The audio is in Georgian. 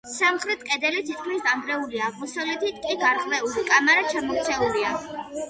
სამხრეთი კედელი თითქმის დანგრეულია, აღმოსავლეთი კი გარღვეული; კამარა ჩამოქცეულია.